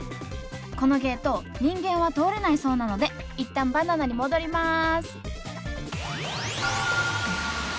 このゲート人間は通れないそうなので一旦バナナに戻ります！